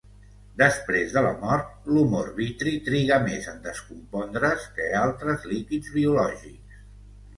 Després de la mort, l'humor vitri triga més en descompondre's que altres líquids biològics.